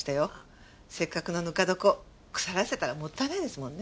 せっかくのぬか床腐らせたらもったいないですもんね。